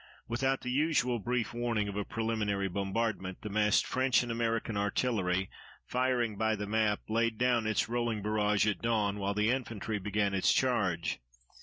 Without the usual brief warning of a preliminary bombardment, the massed French and American artillery, firing by the map, laid down its rolling barrage at dawn while the infantry began its charge.